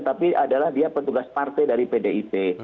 tapi adalah dia petugas partai dari pdip